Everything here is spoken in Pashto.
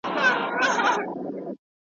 بوراګلي تر انګاره چي رانه سې ,